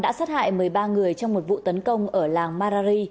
cái súng boko haram đã sát hại một mươi ba người trong một vụ tấn công ở làng marari